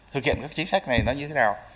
thực hiện các chính sách này nó như thế nào